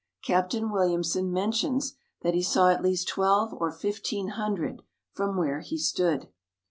Captain Williamson mentions that he saw at least twelve or fifteen hundred from where he stood.